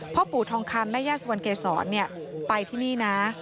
พ่อปู่ทองคำแม่ย่าสุวรรณเกษรไปที่นี่นะ